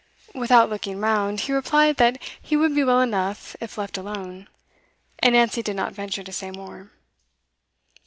Without looking round, he replied that he would be well enough if left alone; and Nancy did not venture to say more.